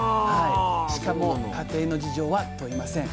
しかも家庭の事情は問いません。